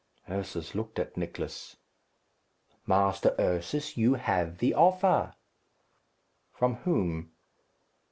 Ursus looked at Nicless. "Master Ursus, you have the offer." "From whom?"